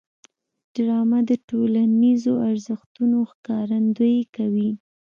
ډرامه د ټولنیزو ارزښتونو ښکارندويي کوي